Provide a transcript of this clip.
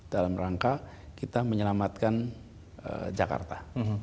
dalam rangka kita menyelamatkan jakarta